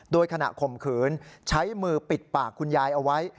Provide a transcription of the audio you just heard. โดยขณะข่มขืนใช้มือปิดปากคุณยายเอาไว้